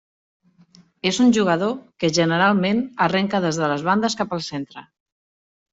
És un jugador que generalment arrenca des de les bandes cap al centre.